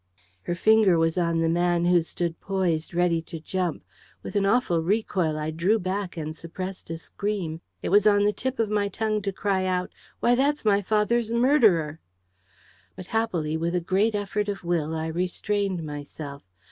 Her finger was on the man who stood poised ready to jump. With an awful recoil, I drew back and suppressed a scream. It was on the tip of my tongue to cry out, "Why, that's my father's murderer!" But, happily, with a great effort of will I restrained myself.